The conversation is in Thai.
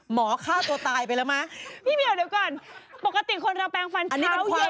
หมอฆ่าตัวตายไปแล้วนะพี่ผิวเดี๋ยวก่อนปกติคนเราแปลงฟันเท้าเย็น